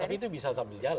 tapi itu bisa sambil jalan